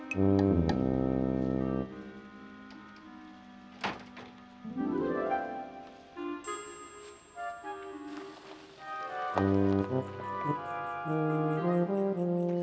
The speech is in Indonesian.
sampai jumpa lagi